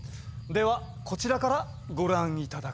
ではこちらからご覧頂こう。